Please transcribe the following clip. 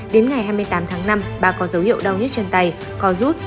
đến ngày hai mươi tám tháng năm bà có dấu hiệu đau nhức chân tay co rút